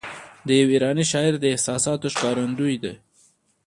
د یوه ایراني شاعر د احساساتو ښکارندوی ده.